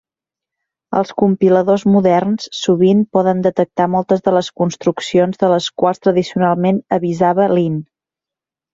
Els compiladors moderns sovint poden detectar moltes de les construccions de les quals tradicionalment avisava lint.